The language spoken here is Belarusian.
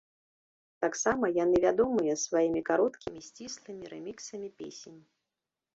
Таксама яны вядомыя сваімі кароткімі сціслымі рэміксамі песень.